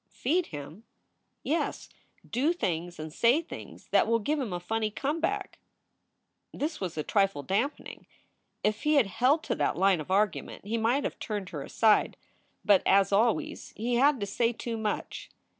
"Feed him?" "Yes, do things and say things that will give him a funny comeback." This was a trifle dampening. If he had held to that line of argument he might have turned her aside. But, as always, he had to say too much.